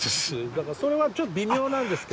だからそれはちょっと微妙なんですけど。